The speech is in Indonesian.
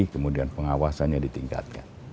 kemudian pengawasannya di tingkatkan